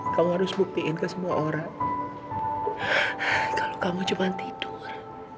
kamu harus buktiin ke semua orang kalau kamu cuma tidur